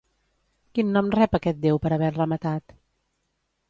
Quin nom rep aquest déu per haver-la matat?